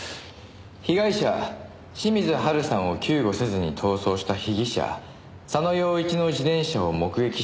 「被害者清水ハルさんを救護せずに逃走した被疑者佐野陽一の自転車を目撃した旨の証言を得た」